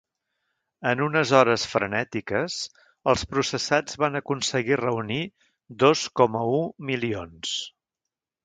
En unes hores frenètiques els processats van aconseguir reunir dos coma u milions.